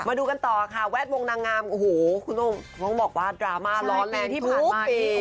มาดูกันต่อค่ะแวดวงด์นางงามโอ้โหคุณโอ้มต้องบอกว่าดราม่าร้อนแรงทุกปี